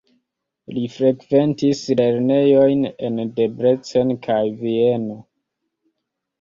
Li frekventis lernejojn en Debrecen kaj Vieno.